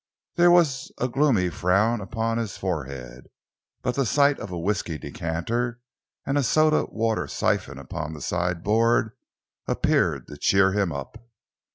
There was a gloomy frown upon his forehead, but the sight of a whisky decanter and a soda water syphon upon the sideboard, appeared to cheer him up.